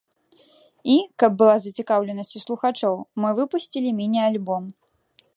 І, каб была зацікаўленасць у слухачоў, мы выпусцілі міні-альбом.